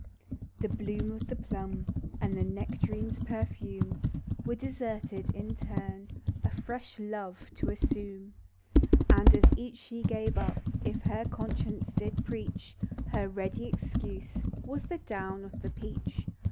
The bloom of the plum And the nect'rine's perfume Were deserted, in turn, A fresh love to assume ; THE DEW DROP. And, as each she gave up, If her conscience did preach, Her ready excuse Was the down of the peach.